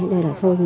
đây là xôi